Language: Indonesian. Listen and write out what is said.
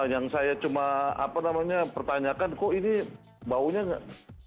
yang saya cuma pertanyakan kok ini baunya enggak